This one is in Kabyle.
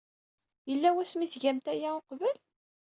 Yella wasmi ay tgamt aya uqbel?